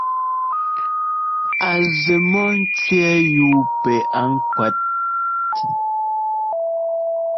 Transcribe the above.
A zɛ mɔ́ ńtsẅɛ́ɛ yúu pɛ a ŋkwɛt ?